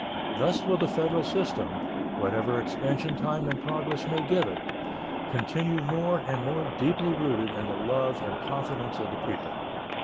Thus will the federal system, whatever expansion time and progress may give it, continue more and more deeply rooted in the love and confidence of the people.